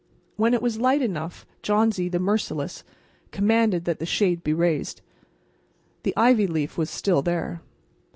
When it was light enough Johnsy, the merciless, commanded that the shade be raised. The ivy leaf was still there.